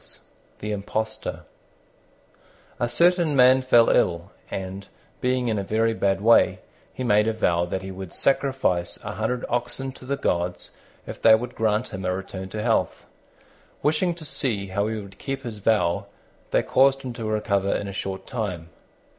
THE IMPOSTOR A certain man fell ill, and, being in a very bad way, he made a vow that he would sacrifice a hundred oxen to the gods if they would grant him a return to health. Wishing to see how he would keep his vow, they caused him to recover in a short time.